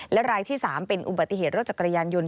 และรายที่๓เป็นอุบัติเหตุรถจักรยานยนต